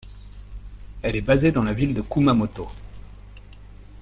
Elle est basée dans la ville de Kumamoto.